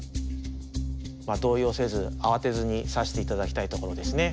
まあ動揺せず慌てずに指していただきたいところですね。